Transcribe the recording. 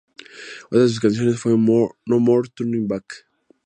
Otra de sus canciones fue ""No More Turning Back"".